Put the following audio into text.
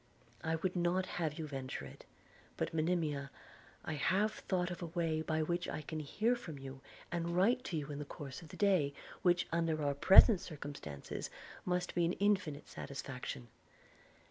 'I would not have you venture it; but, Monimia, I have thought of a way, by which I can hear from you and write to you in the course of the day, which, under our present circumstances, must be an infinite satisfaction.